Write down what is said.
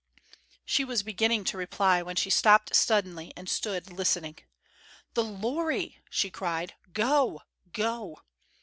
She was beginning to reply when she stopped suddenly and stood listening. "The lorry!" she cried. "Go! Go!"